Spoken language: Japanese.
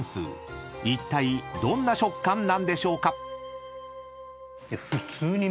［いったいどんな食感なんでしょうか？］